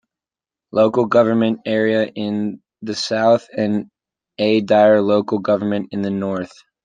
Local Government Area in the South and Ayedire Local Government in the North.